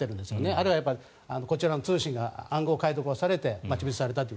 あれはこちらの通信が暗号解読されて待ち伏せされたと。